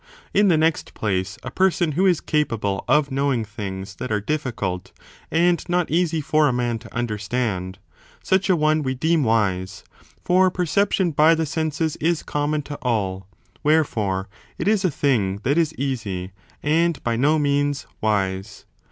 In the next place, a person who is capable of knowing things that are difficult, and not easy for a man to understand, such a one we deem wise (for perception by the senses is common to all, wherefore it is a thing that is easy, and by no means wise).